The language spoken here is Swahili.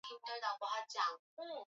Baba alipanda ndege juzi